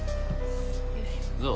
どう？